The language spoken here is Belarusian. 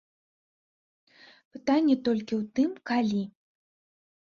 Пытанне толькі ў тым, калі?